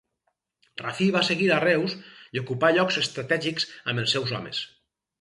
Rafí va seguir a Reus i ocupà llocs estratègics amb els seus homes.